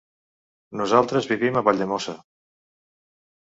Nosaltres vivim a Valldemossa.